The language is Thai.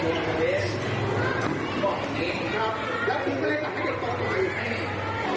อีกคือเราหมกคลีใช่มั้ย